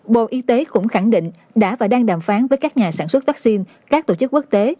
bộ y tế cũng khẳng định đã và đang đàm phán với các nhà sản xuất vaccine các tổ chức quốc tế